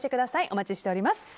お待ちしております。